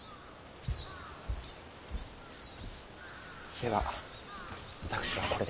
では私はこれで。